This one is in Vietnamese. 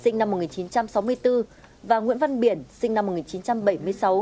sinh năm một nghìn chín trăm sáu mươi bốn và nguyễn văn biển sinh năm một nghìn chín trăm bảy mươi sáu